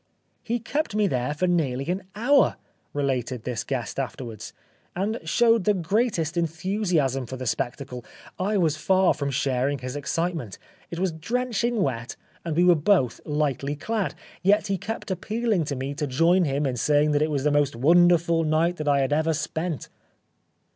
" He kept me there for nearly an hour," related this guest afterwards, '' and showed the greatest enthusiasm for the spectacle. I was far from sharing his excitement. It was drenching wet, and we were both lightly clad. Yet he kept appealing to me to join him in saying that it was the most wonderful night that I had ever spent."